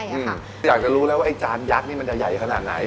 อยากจะรู้แล้วว่าไอ้จานยักษ์นี่มันจะใหญ่ขนาดไหน